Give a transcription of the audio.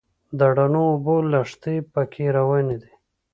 د رڼو اوبو لښتي په کې روان دي.